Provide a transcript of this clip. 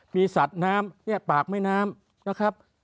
มีสัตว์น้ำเนี่ยปากแม่น้ำนะครับ